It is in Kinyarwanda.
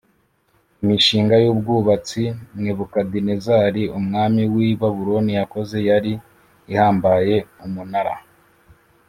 imishinga y ubwubatsi nebukadinezari umwami w i babuloni yakoze yari ihambaye umunara